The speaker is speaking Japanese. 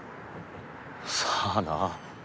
さあな。